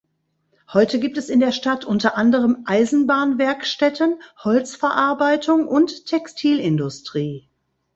Heute gibt es in der Stadt unter anderem Eisenbahnwerkstätten, Holzverarbeitung und Textilindustrie.